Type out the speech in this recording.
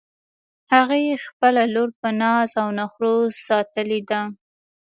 هغې خپله لور په ناز او نخروساتلی ده